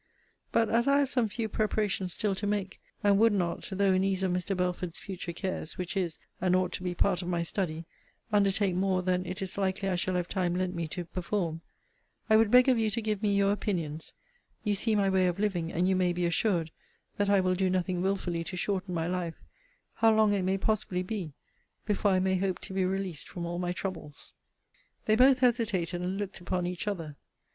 But as I have some few preparations still to make, and would not (though in ease of Mr. Belford's future cares, which is, and ought to be, part of my study) undertake more than it is likely I shall have time lent me to perform, I would beg of you to give me your opinions [you see my way of living, and you may be assured that I will do nothing wilfully to shorten my life] how long it may possibly be, before I may hope to be released from all my troubles. They both hesitated, and looked upon each other.